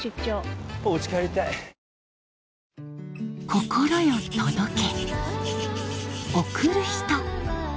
心よ届け